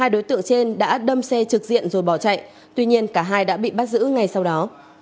hai đối tượng trên đã đâm xe trực diện rồi bỏ chạy tuy nhiên cả hai đã bị bắt giữ ngay sau đó